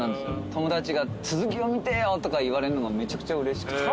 友達が「続き読みてえよ」とか言われんのがめちゃくちゃうれしくて。